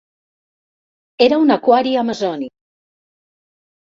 Era un aquari amazònic!